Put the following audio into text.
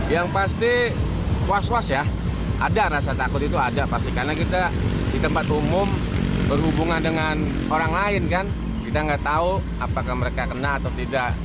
yang pasti was was ya ada rasa takut itu ada pasti karena kita di tempat umum berhubungan dengan orang lain kan kita nggak tahu apakah mereka kena atau tidak